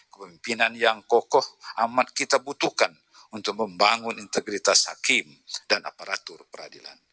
kepemimpinan yang kokoh amat kita butuhkan untuk membangun integritas hakim dan aparatur peradilan